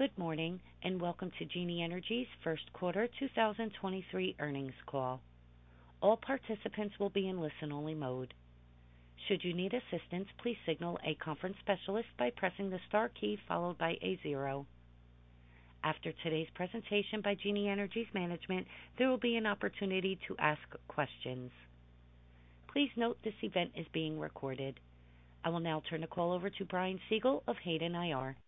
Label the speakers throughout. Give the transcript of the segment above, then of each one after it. Speaker 1: Good morning, and welcome to Genie Energy's First Quarter 2023 Earnings Call. All participants will be in listen-only mode. Should you need assistance, please signal a conference specialist by pressing the star key followed by a zero. After today's presentation by Genie Energy's management, there will be an opportunity to ask questions. Please note this event is being recorded. I will now turn the call over to Brian Siegel of Hayden IR.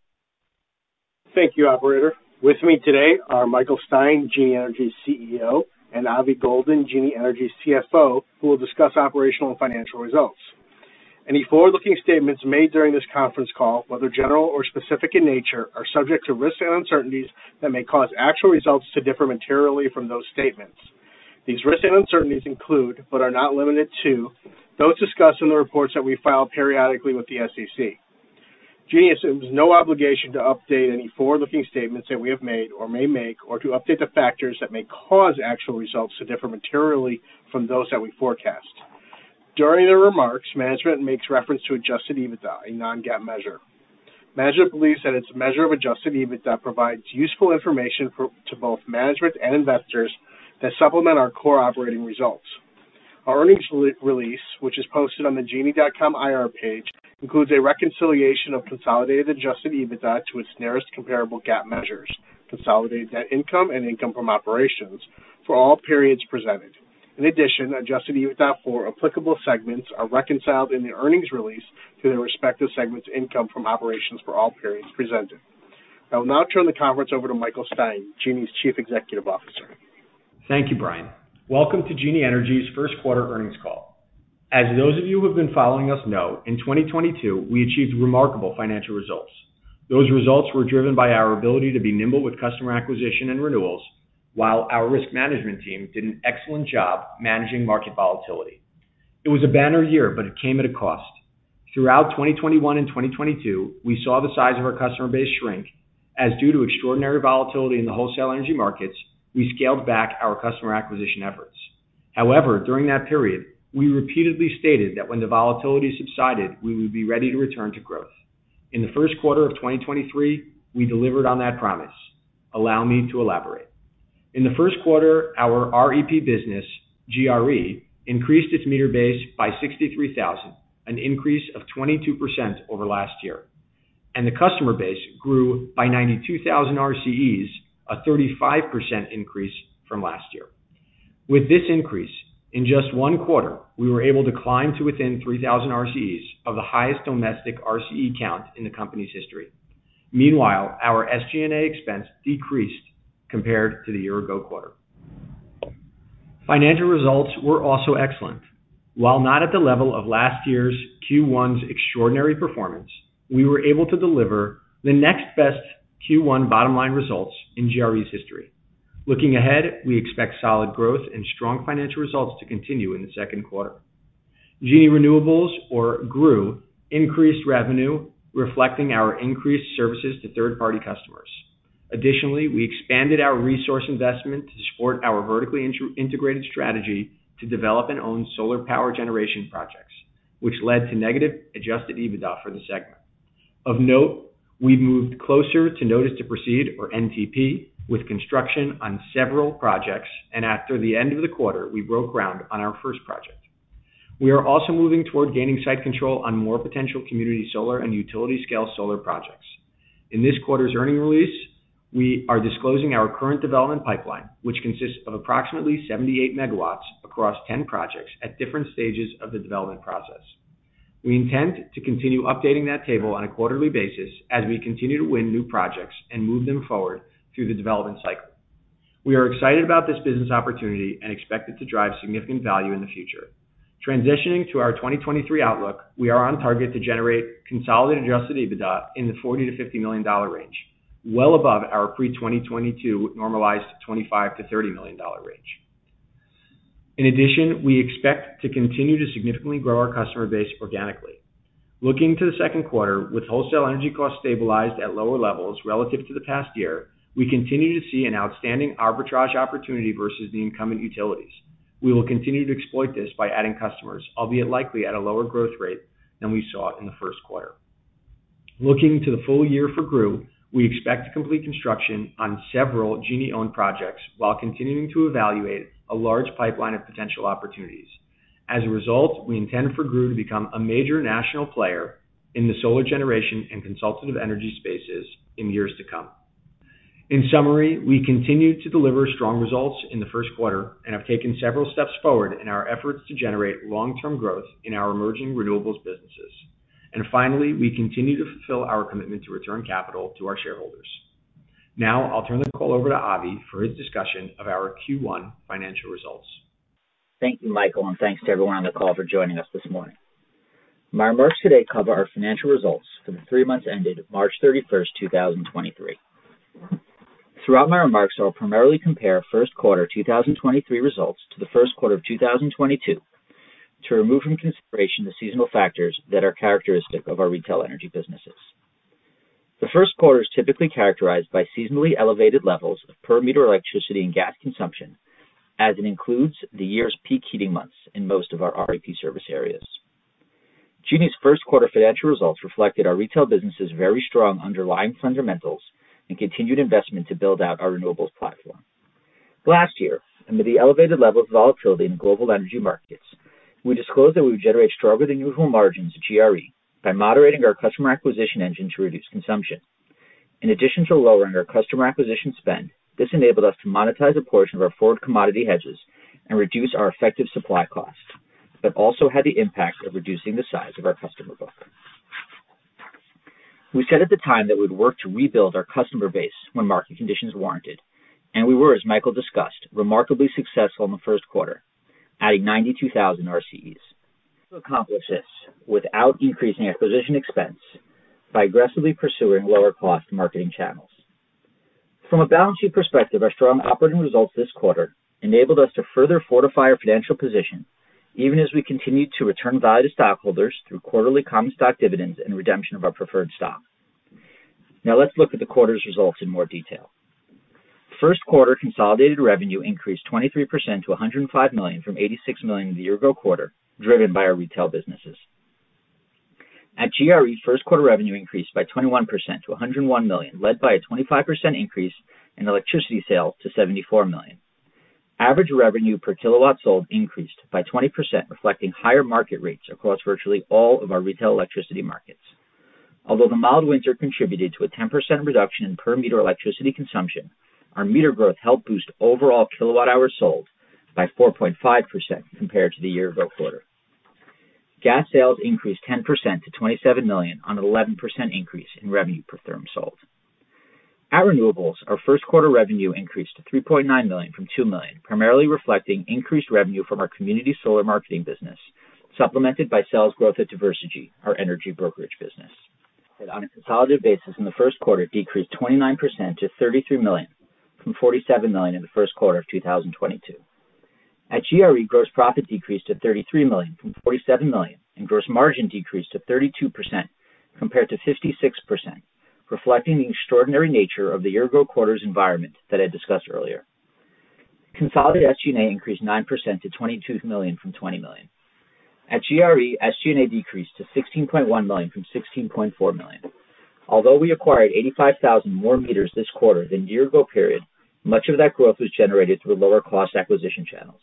Speaker 2: Thank you, operator. With me today are Michael Stein, Genie Energy's Chief Executive Officer, and Avi Goldin, Genie Energy's Chief Financial Officer, who will discuss operational and financial results. Any forward-looking statements made during this conference call, whether general or specific in nature, are subject to risks and uncertainties that may cause actual results to differ materially from those statements. These risks and uncertainties include, but are not limited to, those discussed in the reports that we file periodically with the SEC. Genie assumes no obligation to update any forward-looking statements that we have made or may make or to update the factors that may cause actual results to differ materially from those that we forecast. During the remarks, management makes reference to adjusted EBITDA, a non-GAAP measure. Management believes that its measure of adjusted EBITDA provides useful information to both management and investors that supplement our core operating results. Our earnings re-release, which is posted on the genie.com IR page, includes a reconciliation of consolidated adjusted EBITDA to its nearest comparable GAAP measures, consolidated net income and income from operations for all periods presented. In addition, adjusted EBITDA for applicable segments are reconciled in the earnings release to their respective segment's income from operations for all periods presented. I will now turn the conference over to Michael Stein, Genie's Chief Executive Officer.
Speaker 3: Thank you, Brian. Welcome to Genie Energy's First Quarter Earnings Call. As those of you who have been following us know, in 2022 we achieved remarkable financial results. Those results were driven by our ability to be nimble with customer acquisition and renewals, while our risk management team did an excellent job managing market volatility. It was a banner year. It came at a cost. Throughout 2021 and 2022, we saw the size of our customer base shrink as due to extraordinary volatility in the wholesale energy markets, we scaled back our customer acquisition efforts. However, during that period, we repeatedly stated that when the volatility subsided, we would be ready to return to growth. In the first quarter of 2023, we delivered on that promise. Allow me to elaborate. In the first quarter, our REP business, GRE, increased its meter base by 63,000, an increase of 22% over last year. The customer base grew by 92,000 RCEs, a 35% increase from last year. With this increase, in just one quarter, we were able to climb to within 3,000 RCEs of the highest domestic RCE count in the company's history. Meanwhile, our SG&A expense decreased compared to the year-ago quarter. Financial results were also excellent. While not at the level of last year's Q1's extraordinary performance, we were able to deliver the next best Q1 bottom-line results in GRE's history. Looking ahead, we expect solid growth and strong financial results to continue in the second quarter. Genie Renewables, or GREW, increased revenue, reflecting our increased services to third-party customers. Additionally, we expanded our resource investment to support our vertically integrated strategy to develop and own solar power generation projects, which led to negative adjusted EBITDA for the segment. Of note, we've moved closer to Notice to Proceed, or NTP, with construction on several projects. After the end of the quarter, we broke ground on our first project. We are also moving toward gaining site control on more potential community solar and utility-scale solar projects. In this quarter's earnings release, we are disclosing our current development pipeline, which consists of approximately 78 megawatts across 10 projects at different stages of the development process. We intend to continue updating that table on a quarterly basis as we continue to win new projects and move them forward through the development cycle. We are excited about this business opportunity and expect it to drive significant value in the future. Transitioning to our 2023 outlook, we are on target to generate consolidated adjusted EBITDA in the $40 million-$50 million range, well above our pre-2022 normalized $25 million-$30 million range. In addition, we expect to continue to significantly grow our customer base organically. Looking to the second quarter, with wholesale energy costs stabilized at lower levels relative to the past year, we continue to see an outstanding arbitrage opportunity versus the incumbent utilities. We will continue to exploit this by adding customers, albeit likely at a lower growth rate than we saw in the first quarter. Looking to the full year for GREW, we expect to complete construction on several Genie-owned projects while continuing to evaluate a large pipeline of potential opportunities. As a result, we intend for GREW to become a major national player in the solar generation and consultative energy spaces in years to come. In summary, we continue to deliver strong results in the first quarter and have taken several steps forward in our efforts to generate long-term growth in our emerging renewables businesses. Finally, we continue to fulfill our commitment to return capital to our shareholders. Now I'll turn the call over to Avi for his discussion of our Q1 financial results.
Speaker 4: Thank you, Michael, and thanks to everyone on the call for joining us this morning. My remarks today cover our financial results for the 3 months ended March 31, 2023. Throughout my remarks, I will primarily compare first quarter 2023 results to the first quarter of 2022 to remove from consideration the seasonal factors that are characteristic of our retail energy businesses. The first quarter is typically characterized by seasonally elevated levels of per meter electricity and gas consumption, as it includes the year's peak heating months in most of our REP service areas. Genie's first quarter financial results reflected our retail business' very strong underlying fundamentals and continued investment to build out our renewables platform. Last year, under the elevated level of volatility in global energy markets, we disclosed that we would generate stronger than usual margins at GRE by moderating our customer acquisition engine to reduce consumption. In addition to lowering our customer acquisition spend, this enabled us to monetize a portion of our forward commodity hedges and reduce our effective supply costs, but also had the impact of reducing the size of our customer book. We said at the time that we'd work to rebuild our customer base when market conditions warranted, and we were, as Michael discussed, remarkably successful in the first quarter, adding 92,000 RCEs. Accomplish this without increasing acquisition expense by aggressively pursuing lower cost marketing channels. From a balance sheet perspective, our strong operating results this quarter enabled us to further fortify our financial position even as we continued to return value to stockholders through quarterly common stock dividends and redemption of our preferred stock. Let's look at the quarter's results in more detail. First quarter consolidated revenue increased 23% to $105 million from $86 million in the year-ago quarter, driven by our retail businesses. At GRE, first quarter revenue increased by 21% to $101 million, led by a 25% increase in electricity sales to $74 million. Average revenue per kilowatt sold increased by 20%, reflecting higher market rates across virtually all of our retail electricity markets. Although the mild winter contributed to a 10% reduction in per-meter electricity consumption, our meter growth helped boost overall kilowatt hours sold by 4.5% compared to the year-ago quarter. Gas sales increased 10% to $27 million on an 11% increase in revenue per therm sold. At Renewables, our first quarter revenue increased to $3.9 million from $2 million, primarily reflecting increased revenue from our community solar marketing business, supplemented by sales growth at Diversegy, our energy brokerage business. On a consolidated basis in the first quarter decreased 29% to $33 million from $47 million in the first quarter of 2022. At GRE, gross profit decreased to $33 million from $47 million, and gross margin decreased to 32% compared to 56%, reflecting the extraordinary nature of the year-ago quarter's environment that I discussed earlier. Consolidated SG&A increased 9% to $22 million from $20 million. At GRE, SG&A decreased to $16.1 million from $16.4 million. Although we acquired 85,000 more meters this quarter than year-ago period, much of that growth was generated through lower cost acquisition channels.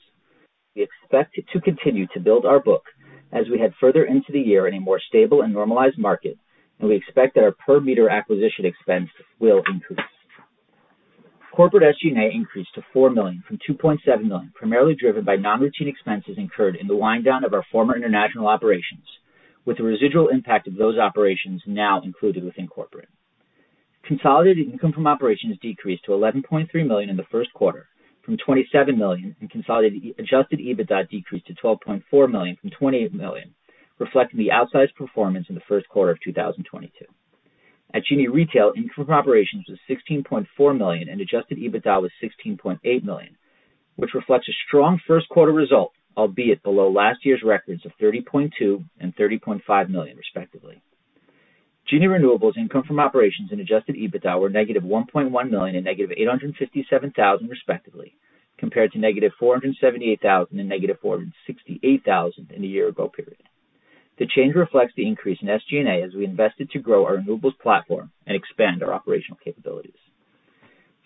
Speaker 4: We expect to continue to build our book as we head further into the year in a more stable and normalized market, and we expect that our per-meter acquisition expense will increase. Corporate SG&A increased to $4 million from $2.7 million, primarily driven by non-routine expenses incurred in the wind down of our former international operations, with the residual impact of those operations now included within corporate. Consolidated income from operations decreased to $11.3 million in the first quarter from $27 million, and consolidated adjusted EBITDA decreased to $12.4 million from $28 million, reflecting the outsized performance in the first quarter of 2022. At Genie Retail, income from operations was $16.4 million and adjusted EBITDA was $16.8 million, which reflects a strong first quarter result, albeit below last year's records of $30.2 million and $30.5 million, respectively. Genie Renewables income from operations and adjusted EBITDA were negative $1.1 million and negative $857,000, respectively, compared to negative $478,000 and negative $468,000 in the year-ago period. The change reflects the increase in SG&A as we invested to grow our renewables platform and expand our operational capabilities.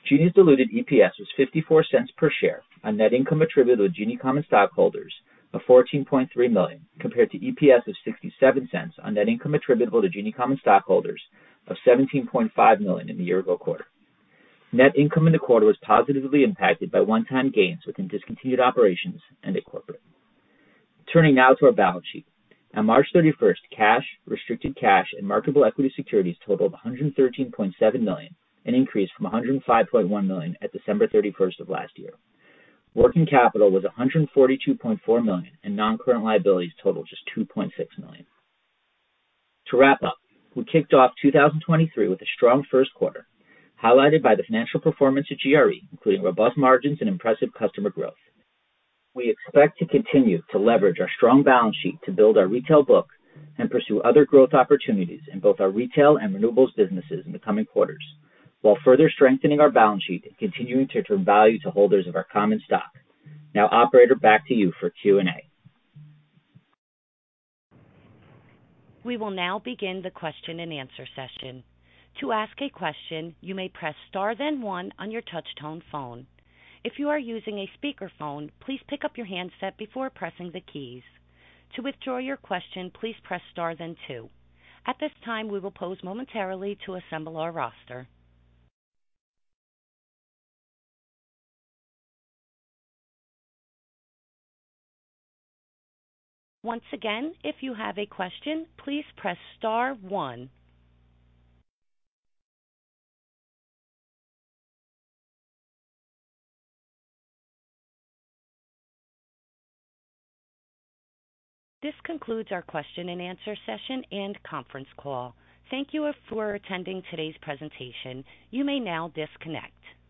Speaker 4: Genie's diluted EPS was $0.54 per share on net income attributable to Genie common stockholders of $14.3 million, compared to EPS of $0.67 on net income attributable to Genie common stockholders of $17.5 million in the year-ago quarter. Net income in the quarter was positively impacted by one-time gains within discontinued operations and at corporate. Turning now to our balance sheet. On March 31st, cash, restricted cash and marketable equity securities totaled $113.7 million, an increase from $105.1 million at December 31st of last year. Working capital was $142.4 million, and non-current liabilities totaled just $2.6 million. To wrap up, we kicked off 2023 with a strong first quarter, highlighted by the financial performance at GRE, including robust margins and impressive customer growth. We expect to continue to leverage our strong balance sheet to build our retail book and pursue other growth opportunities in both our retail and renewables businesses in the coming quarters, while further strengthening our balance sheet and continuing to return value to holders of our common stock. Now, operator, back to you for Q&A.
Speaker 1: We will now begin the question-and-answer session. To ask a question, you may press star then one on your touch tone phone. If you are using a speakerphone, please pick up your handset before pressing the keys. To withdraw your question, please press star then two. At this time, we will pause momentarily to assemble our roster. Once again, if you have a question, please press star one. This concludes our question-and-answer session and conference call. Thank you for attending today's presentation. You may now disconnect.